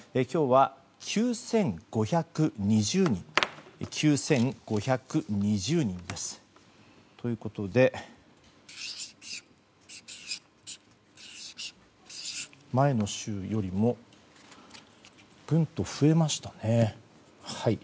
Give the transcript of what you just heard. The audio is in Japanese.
今日は９５２０人。ということで前の週よりもぐんと増えましたね。